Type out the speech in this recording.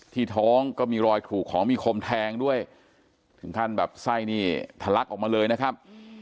ท้องก็มีรอยถูกของมีคมแทงด้วยถึงขั้นแบบไส้นี่ทะลักออกมาเลยนะครับ